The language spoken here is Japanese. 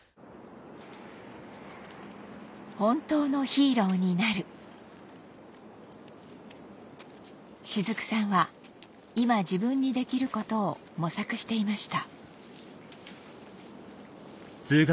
本当のヒーローになる雫さんは今自分にできることを模索していました